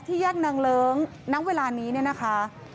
ที่แยกนางเลิ้งนั้นเวลานี้เนี่ยนะคะ